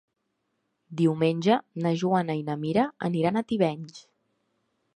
Diumenge na Joana i na Mira aniran a Tivenys.